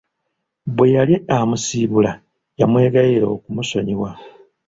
Bwe yali amusiibula yamwegayirira okumusonyiwa.